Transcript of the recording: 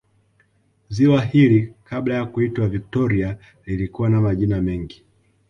Ziwa hili kabla ya kuitwa Victoria lilikuwa na majina mengi